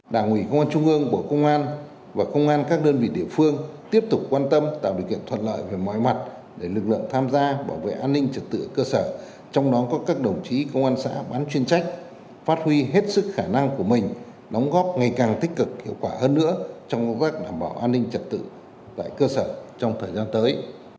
đảng ủy công an trung ương của công an và công an các đơn vị địa phương tiếp tục quan tâm tạo điều kiện thuận lợi về mọi mặt để lực lượng tham gia bảo vệ an ninh trật tự cơ sở trong đó có các đồng chí công an xã bán chuyên trách phát huy hết sức khả năng của mình đóng góp ngày càng tích cực hiệu quả hơn nữa trong công tác đảm bảo an ninh trật tự tại cơ sở trong thời gian tới